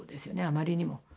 あまりにも。